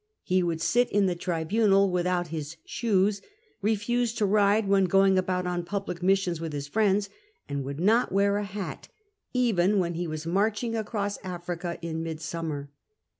He would sit in the tribunal without his shoes, refused to ride when going about on public missions with his friends, and would not wear a hat even when he was marching across Africa in mid summer.